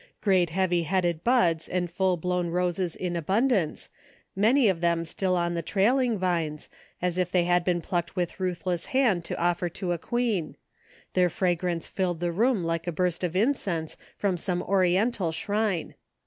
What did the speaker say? Great heavy headed buds and full blown roses in abundance, many of them still on the trailing vines, as if they had been plucked with ruthless hand to offer to a queen ; their fragrance filled the room like 152 THE FINDING OF JASPER HOLT a burst of incense from some oriental shrine.